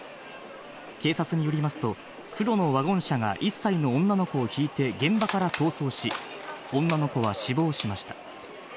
警察によりますと、黒のワゴン車が１歳の女の子をひいて、現場から逃走し、女の子は死亡しました。